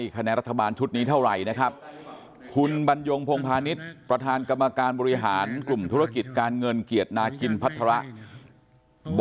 ขอบคุณครับ